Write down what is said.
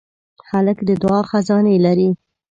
هلک د دعا خزانې لري.